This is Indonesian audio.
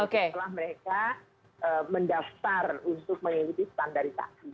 setelah mereka mendaftar untuk mengikuti standarisasi